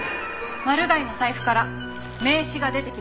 マル害の財布から名刺が出てきました。